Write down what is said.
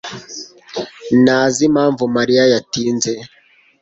ntazi impamvu Mariya yatinze.